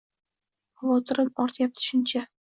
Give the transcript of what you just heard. Havotirim ortyapti shuncha